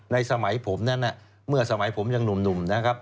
สมัยผมนั้นเมื่อสมัยผมยังหนุ่มนะครับ